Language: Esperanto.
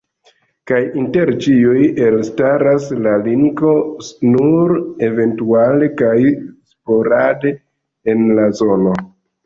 Kaj inter ĉiuj elstaras la Linko, nur eventuale kaj sporade en la zono.